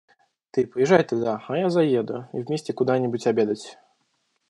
Ты поезжай туда, а я заеду, и вместе куда-нибудь обедать.